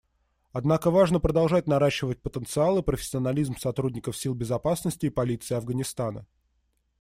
Однако важно продолжать наращивать потенциал и профессионализм сотрудников сил безопасности и полиции Афганистана.